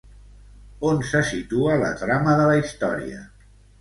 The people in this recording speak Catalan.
On se situa la trama de la història?